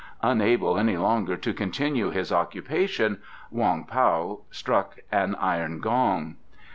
Unable any longer to continue his occupation, Wong Pao struck an iron gong.